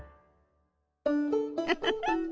ウフフ。